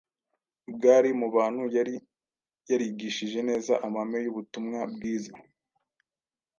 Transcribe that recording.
bwari mu bantu yari yarigishije neza amahame y’ubutumwa bwiza.